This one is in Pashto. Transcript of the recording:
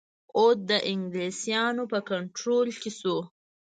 اَوَد د انګلیسیانو په کنټرول کې شو.